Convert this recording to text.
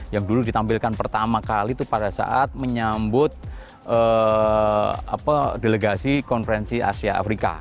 yang dulu ditampilkan pertama kali itu pada saat menyambut delegasi konferensi asia afrika